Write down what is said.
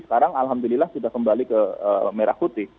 sekarang alhamdulillah sudah kembali ke merah putih